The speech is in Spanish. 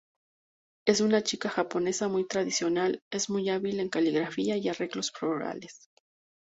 Es una chica japonesa muy tradicional, es muy hábil en caligrafía y arreglos florales.